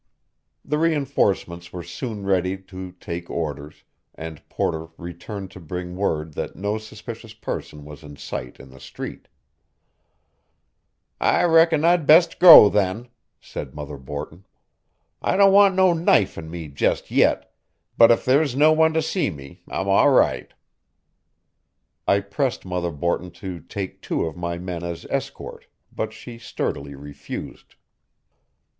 The reinforcements were soon ready to take orders, and Porter returned to bring word that no suspicious person was in sight in the street. "I reckon I'd best go, then," said Mother Borton. "I don't want no knife in me jest yit, but if there's no one to see me I'm all right." I pressed Mother Borton to take two of my men as escort, but she sturdily refused.